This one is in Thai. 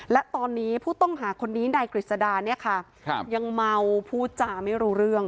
และตอนนี้ผู้ต้องหาคนนี้นายกฤษดาเนี่ยค่ะยังเมาพูดจาไม่รู้เรื่อง